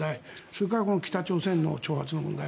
それから北朝鮮の挑発問題。